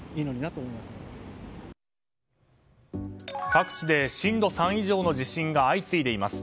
各地で震度３以上の地震が相次いでいます。